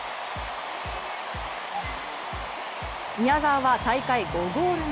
宮澤は大会５ゴール目。